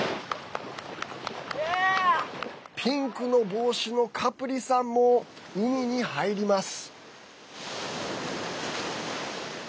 ピンクの帽子のカプリさんも海に入ります。